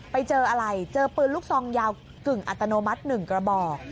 ไปเจออะไรเจอปืนลูกซองยาวกึ่งอัตโนมัติ๑กระบอก